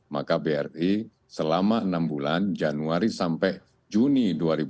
maka bri selama enam bulan januari sampai juni dua ribu dua puluh